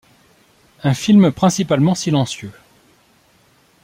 Un film principalement silencieux.